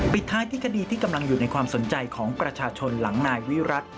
ปิดท้ายที่คดีที่กำลังอยู่ในความสนใจของประชาชนหลังนายวิรัติ